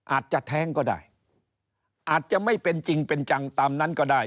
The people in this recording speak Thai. อาจจะแท้งก็ได้อาจจะไม่เป็นจริงเป็นจังตามนั้นก็ได้